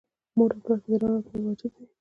مور او پلار ته درناوی کول واجب دي.